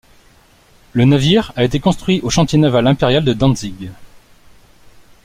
Le navire a été construit au chantier naval impérial de Dantzig.